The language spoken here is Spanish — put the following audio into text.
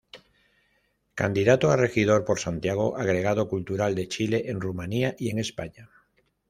Candidato a Regidor por Santiago, agregado cultural de Chile en Rumanía y en España.